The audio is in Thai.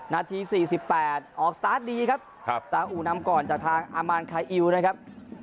นาที๔๘ออกสตาร์ทดีครับสาอุนำก่อนจากทางอามานคาอิวนะครับ